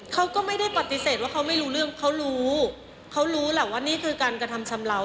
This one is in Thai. เขาก็ไม่ได้ปฏิเสธว่าเขาไม่รู้เรื่องเขารู้เขารู้แหละว่านี่คือการกระทำชำเลา